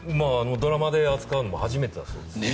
ドラマで扱うのも初めてだそうです。